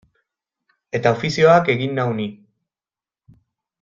Eta ofizioak egin nau ni.